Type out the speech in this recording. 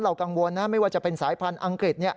กังวลนะไม่ว่าจะเป็นสายพันธุ์อังกฤษ